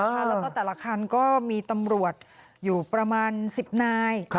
แล้วก็แต่ละคันก็มีตำรวจอยู่ประมาณ๑๐นาย